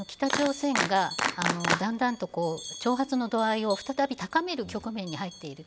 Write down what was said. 北朝鮮が、だんだんと挑発の度合いを再び高める局面に入っている。